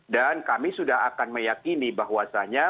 dan kami sudah akan meyakini bahwasannya